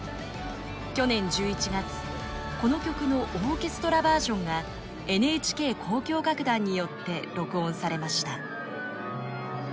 去年１１月この曲のオーケストラバージョンがＮＨＫ交響楽団によって録音されました。